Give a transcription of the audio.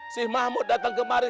si mahmud datang kemarin